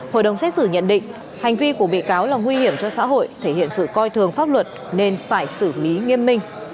hội đồng xét xử nhận định hành vi của bị cáo là nguy hiểm cho xã hội thể hiện sự coi thường pháp luật nên phải xử lý nghiêm minh